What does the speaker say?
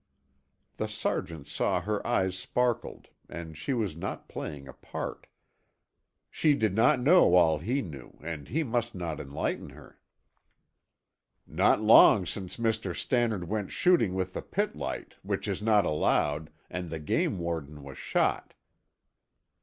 The sergeant saw her eyes sparkled and she was not playing a part. She did not know all he knew, and he must not enlighten her. "Not long since Mr. Stannard went shooting with the pit light, which is not allowed, and the game warden was shot."